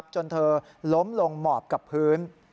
จนเธอล้มลงหมอบกับพื้น